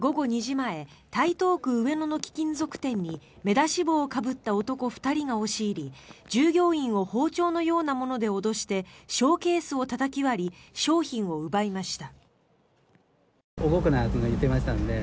前台東区上野の貴金属店に目出し帽をかぶった男２人が押し入り従業員を包丁のようなもので脅してショーケースをたたき割り商品を奪いました。